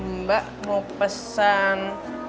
mbak mau pesan